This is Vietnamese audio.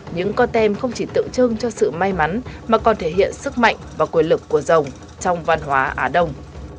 những con tem không chỉ tượng trưng cho sự may mắn mà còn thể hiện sức mạnh và quyền lực của rồng trong văn hóa á đông